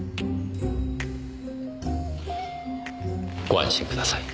ご安心ください。